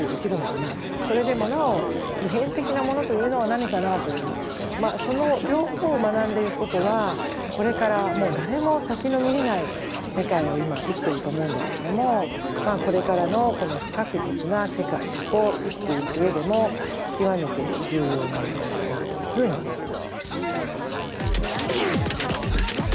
それでもなお普遍的なものというのは何かなというその両方を学んでいくことはこれからもう誰も先の見えない世界を今生きていると思うんですけどもこれからの不確実な世界を生きていく上でも極めて重要なんじゃないかなというふうに思ってます。